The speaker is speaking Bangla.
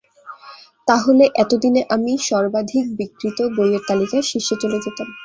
তাহলে এতদিনে আমি সর্বাধিক বিক্রিত বইয়ের তালিকার শীর্ষে চলে যেতাম।